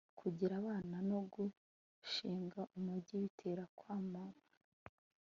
kugira abana no gushinga umugi bitera kwamamara